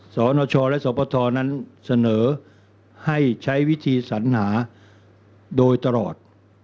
สนชและสปทนั้นเสนอให้ใช้วิธีสัญหาโดยตลอด